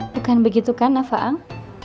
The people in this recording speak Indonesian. bukan begitu kan faang